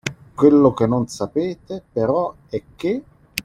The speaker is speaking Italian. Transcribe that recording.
Quello che non sapete, però, è che.